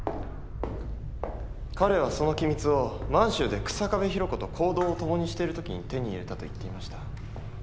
彼はその機密を満洲で草壁弘子と行動を共にしている時に手に入れたと言っていました。